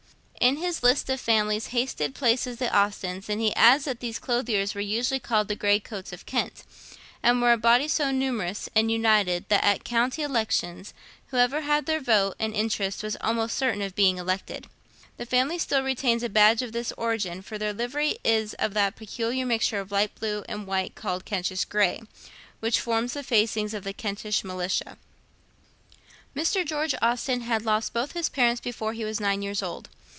In his list of these families Hasted places the Austens, and he adds that these clothiers 'were usually called the Gray Coats of Kent; and were a body so numerous and united that at county elections whoever had their vote and interest was almost certain of being elected.' The family still retains a badge of this origin; for their livery is of that peculiar mixture of light blue and white called Kentish gray, which forms the facings of the Kentish militia. Mr. George Austen had lost both his parents before he was nine years old.